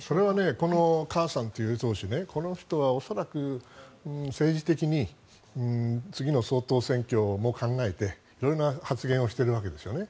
それはこのカンさんという党首ねこの人は恐らく政治的に次の総統選挙を考えて色々な発言をしているわけですよね。